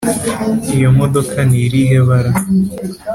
iyo modoka ni irihe bara?